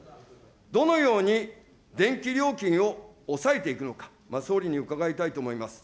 どのように電気料金を抑えていくのか、総理に伺いたいと思います。